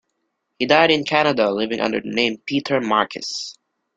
He died in Canada living under the name Peter Markis.